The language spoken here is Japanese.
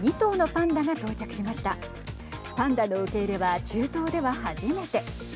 パンダの受け入れは中東では初めて。